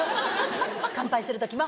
乾杯する時も。